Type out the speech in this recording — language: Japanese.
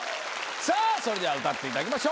さあそれでは歌っていただきましょう。